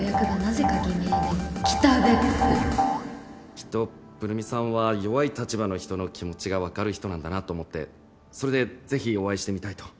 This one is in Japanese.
きっとブル美さんは弱い立場の人の気持ちが分かる人なんだなぁと思ってそれでぜひお会いしてみたいと。